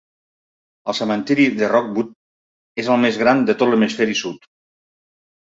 El cementiri de Rookwood és el més gran de tot l'hemisferi sud.